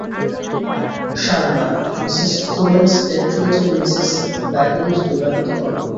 Sherman, Mrs Florence ডেট্রয়েটের Mrs ব্যাগলির বিবাহিতা কন্যা।